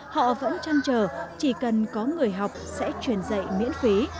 họ vẫn chăn trở chỉ cần có người học sẽ truyền dạy miễn phí